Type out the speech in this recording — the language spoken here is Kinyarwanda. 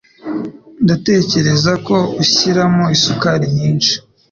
Ndatekereza ko ushyiramo isukari nyinshi.